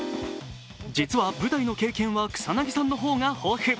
実は舞台の経験は草なぎさんの方が豊富。